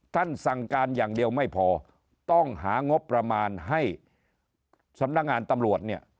สั่งการอย่างเดียวไม่พอต้องหางบประมาณให้สำนักงานตำรวจเนี่ย